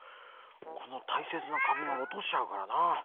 このたいせつなかびんをおとしちゃうからな。